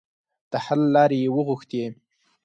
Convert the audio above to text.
د حل لارې یې وغوښتې.